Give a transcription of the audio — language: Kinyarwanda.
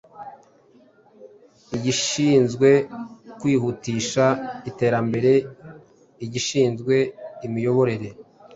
Igishinzwe Kwihutisha Iterambere, Igishinzwe Imiyoborere,